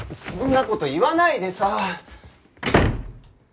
そんな事言わないでさ。